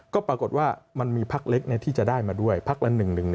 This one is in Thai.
ก็ปรากฏว่ามันมีพักเล็กที่จะได้มาด้วยพักละ๑๑๑